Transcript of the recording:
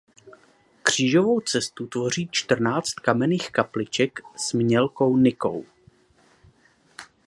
Křížovou cestu tvoří čtrnáct kamenných kapliček s mělkou nikou.